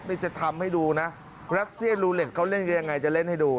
นี่จะทำให้ดูนะรัสเซียลูเล็ตเขาเล่นกันยังไงจะเล่นให้ดู